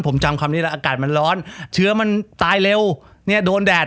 ผมจำคำนี้แล้วอากาศมันร้อนเชื้อมันตายเร็วเนี่ยโดนแดด